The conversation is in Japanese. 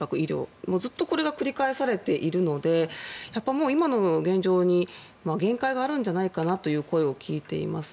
これがずっと繰り返されているので今の現状に限界があるんじゃないかなという声を聞いています。